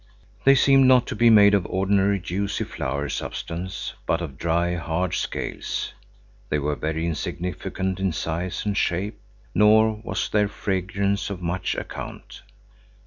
They seemed not to be made of ordinary, juicy flower substance, but of dry, hard scales. They were very insignificant in size and shape; nor was their fragrance of much account.